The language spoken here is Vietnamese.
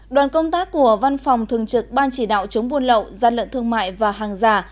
đoàn công tác của văn phòng thường trực ban chỉ đạo chống buôn lậu gian lận thương mại và hàng giả